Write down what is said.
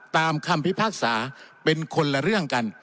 คำพิพากษาเป็นคนละเรื่องกัน